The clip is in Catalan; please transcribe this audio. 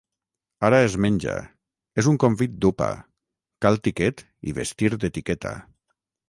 Ara es menja, és un convit d'upa: cal tiquet i vestir d'etiqueta.